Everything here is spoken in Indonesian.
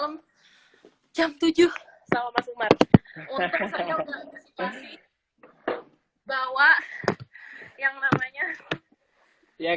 udah nih ya mas ya